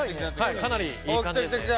かなりいい感じですね。